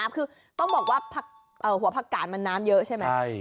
คือต้องบอกว่าหัวผักกาดมันน้ำเยอะใช่ไหม